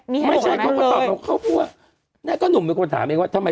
ไม่นะครับใช่ปะ